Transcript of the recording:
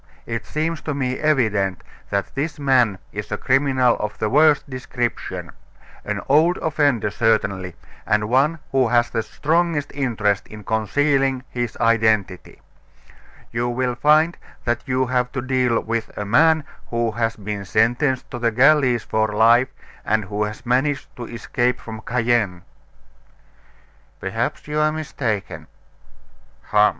It seems to me evident that this man is a criminal of the worst description an old offender certainly, and one who has the strongest interest in concealing his identity. You will find that you have to deal with a man who has been sentenced to the galleys for life, and who has managed to escape from Cayenne." "Perhaps you are mistaken." "Hum!